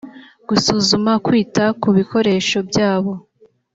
gusuzuma kwita ku bikoresho byabo